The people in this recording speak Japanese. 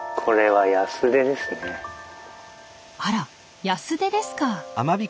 あらヤスデですか。